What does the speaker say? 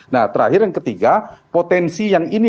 nah terakhir yang ketiga potensi yang ini